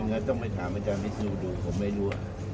ตอนนั้นต้องไปถามอาจารย์พี่วิสุนุกดูผมไม่รู้อะ